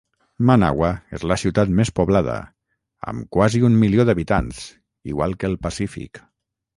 Managua és la ciutat més poblada amb quasi un milió d'habitants, igual que el pacífic.